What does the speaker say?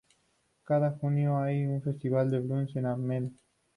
Cada junio hay un festival de "Blues" en Ameno.